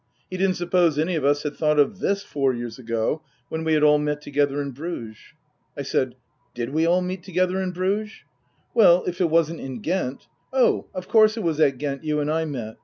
He didn't suppose any of us had thought of this four years ago when we had all met together in Bruges. I said, " Did we all meet together in Bruges ?"" Well, if it wasn't in Ghent. Oh of course it was at Ghent you and I met.